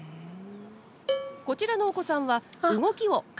こちらのお子さんは動きを完コピ。